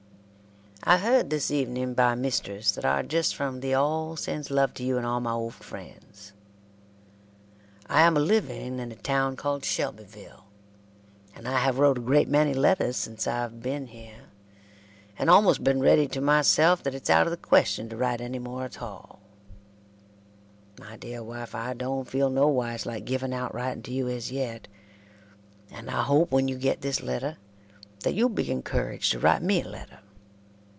I heard this eveng by Mistress that ar just from theree all sends love to you and all my old frends. I am a living in a town called Shelbyville and I have wrote a greate many letters since Ive beene here and almost been reeady to my selfe that its out of the question to write any more at tall: my dear wife I dont feeld no whys like giving out writing to you as yet and I hope when you get this letter that you be Inncougege to write me a letter.